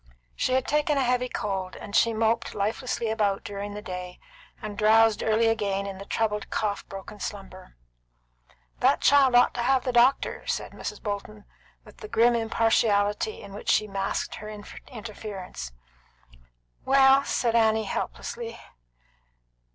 She had taken a heavy cold, and she moped lifelessly about during the day, and drowsed early again in the troubled cough broken slumber. "That child ought to have the doctor," said Mrs. Bolton, with the grim impartiality in which she masked her interference. "Well," said Annie helplessly.